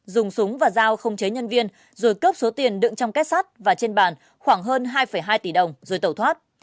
dùng súng và dao không chế nhân viên rồi cướp số tiền đựng trong kết sắt và trên bàn khoảng hơn hai hai tỷ đồng rồi tẩu thoát